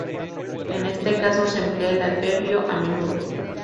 En este caso se emplea el adverbio "a menudo".